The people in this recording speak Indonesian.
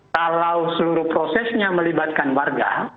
kalau seluruh prosesnya melibatkan warga